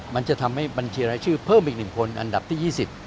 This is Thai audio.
มันจะทำให้บัญชีรายชื่อเพิ่มอีก๑คนอันดับที่๒๐